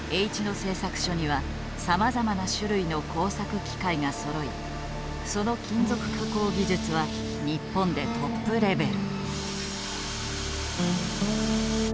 製作所にはさまざまな種類の工作機械がそろいその金属加工技術は日本でトップレベル。